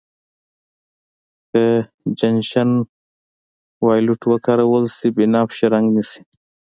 که جنشن وایولېټ وکارول شي بنفش رنګ نیسي.